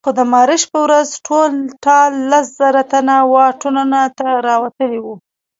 خو د مارش په ورځ ټول ټال لس زره تنه واټونو ته راوتلي وو.